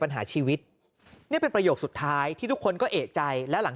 ปัญหาชีวิตนี่เป็นประโยคสุดท้ายที่ทุกคนก็เอกใจแล้วหลัง